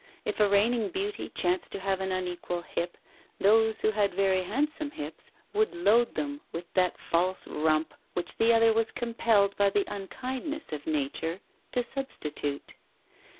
If a reigning beauty chanced to have an unequal hip, those who had very handsome hips would load them with that false rump which the other was compelled by the unkindness of nature to substitute.